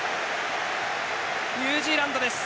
ニュージーランドです。